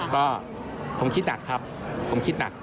ก็ผมคิดหนักครับผมคิดหนัก